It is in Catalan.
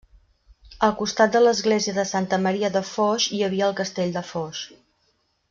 Al costat de l'església de Santa Maria de Foix hi havia el castell de Foix.